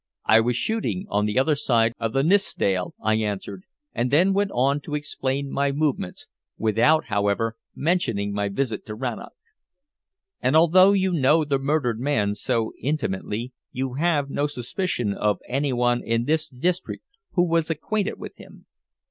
"I was shooting on the other side of the Nithsdale," I answered, and then went on to explain my movements, without, however, mentioning my visit to Rannoch. "And although you know the murdered man so intimately, you have no suspicion of anyone in this district who was acquainted with him?"